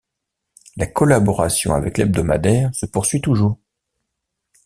La collaboration avec l'hebdomadaire se poursuit toujours.